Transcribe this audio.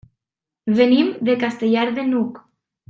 Venim de Castellar de n'Hug.